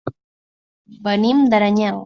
Venim d'Aranyel.